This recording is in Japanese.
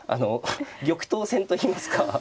玉頭戦といいますか。